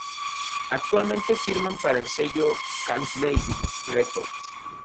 Actualmente firman para el sello Candlelight Records.